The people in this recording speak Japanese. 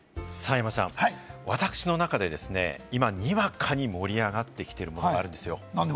山ちゃん、私の中で今にわかに盛り上がってきているものがあるんですよ。